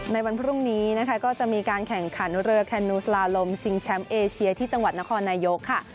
ในวันพรุ่งนี้นะคะก็จะมีการแข่งขันเรือแคนนูสลาลมชิงแชมป์เอเชียที่จังหวัดนครนายกค่ะ